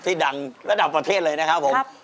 ดังระดับประเทศเลยนะครับผม